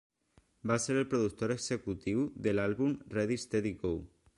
Va ser el productor executiu de l'àlbum Ready Steady Go!